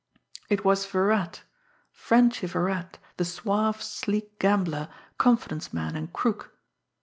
It was Virat! Frenchy Virat, the suave, sleek gambler, confidence man and crook!